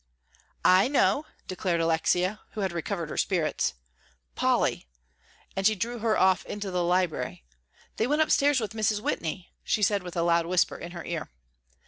"I know," declared Alexia, who had recovered her spirits. "Polly," and she drew her off into the library, "they went upstairs with Mrs. Whitney," she said with a loud whisper in her ear.